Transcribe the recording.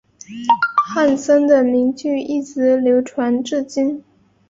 汉森的名句一直流传至今。